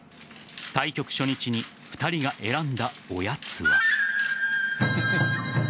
対局初日に２人が選んだおやつは。